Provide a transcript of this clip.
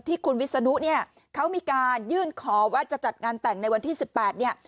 ที่คุณวิศนุเนี่ยเขามีการยื่นขอว่าจะจัดงานแต่งในวันที่๑๘เนี่ย